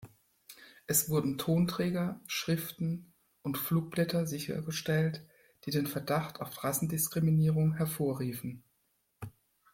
Es wurden Tonträger, Schriften und Flugblätter sichergestellt, die den Verdacht auf Rassendiskriminierung hervorriefen.